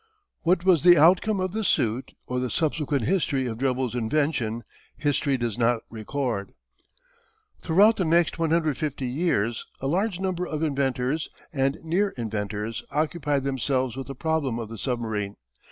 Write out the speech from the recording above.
What was the outcome of the suit or the subsequent history of Drebel's invention history does not record. Throughout the next 150 years a large number of inventors and near inventors occupied themselves with the problem of the submarine.